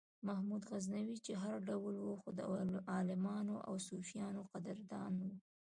محمود غزنوي چې هر ډول و خو د عالمانو او صوفیانو قدردان و.